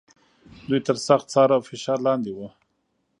دوی تر سخت څار او فشار لاندې و.